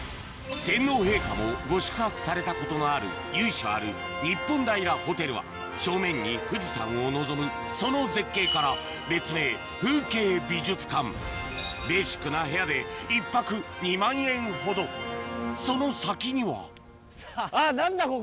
天皇陛下もご宿泊されたことのある由緒ある正面に富士山を望むその絶景から別名ベーシックな部屋で１泊２万円ほどその先にはあっ何だここ！